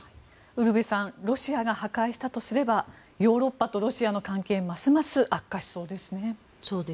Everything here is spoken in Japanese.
ウルヴェさんロシアが破壊したとすればヨーロッパとロシアの関係ますます悪化しそうですね。